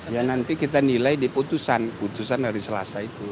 ya nanti kita nilai di putusan putusan hari selasa itu